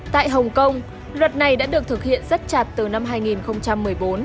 tại hồng kông luật này đã được thực hiện rất chặt từ năm hai nghìn một mươi bốn